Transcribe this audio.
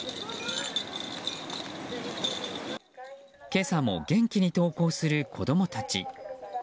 今朝も元気に登校する子供たち。